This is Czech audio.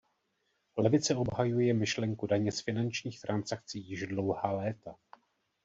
Levice obhajuje myšlenku daně z finančních transakcí již dlouhá léta.